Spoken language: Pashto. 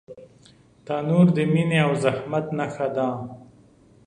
تنور د مینې او زحمت نښه ده